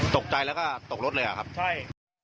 ตกใจแล้วก็ตกรถเลยอ่ะครับใช่